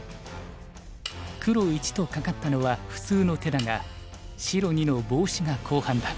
黒１とカカったのは普通の手だが白２のボウシが好判断。